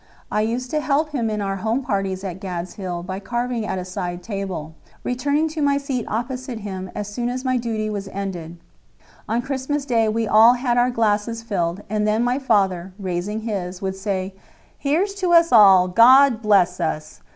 I used to help him in our home parties at "Gad's Hill" by carving at a side table, returning to my seat opposite him as soon as my duty was ended. On Christmas Day we all had our glasses filled, and then my father, raising his, would say: "Here's to us all. God bless us!"